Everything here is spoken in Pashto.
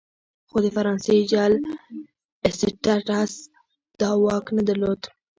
خو د فرانسې جل اسټټس دا واک نه درلود.